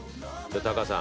タカさん